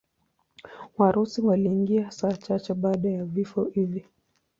Warusi waliingia saa chache baada ya vifo hivi.